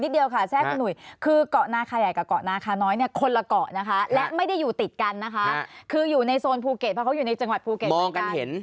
เดี๋ยวนะคุณผู้ชมขอ